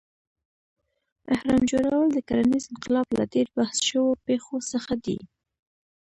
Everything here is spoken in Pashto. اهرام جوړول د کرنیز انقلاب له ډېر بحث شوو پېښو څخه دی.